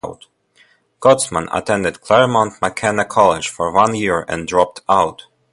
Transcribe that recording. Gottesman attended Claremont McKenna College for one year and dropped out.